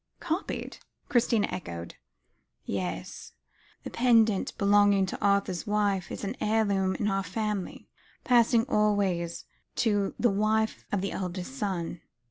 "Copied?" Christina echoed. "Yes. The pendant belonging to Arthur's wife, is an heirloom in our family, passing always to the wife of the eldest son.